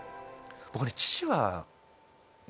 僕ね。